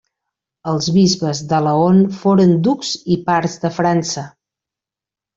Els bisbes de Laon foren ducs i pars de França.